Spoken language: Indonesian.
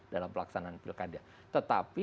dalam pelaksanaan pilkada tetapi